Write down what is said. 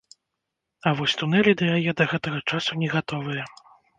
Але вось тунэлі да яе да гэтага часу не гатовыя.